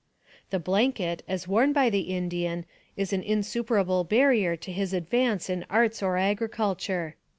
The blanket, as worn by the Indian, is an insuper able barrier to his advance in arts or agriculture.